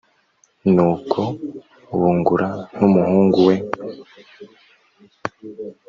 nuko bungura n'umuhungu we,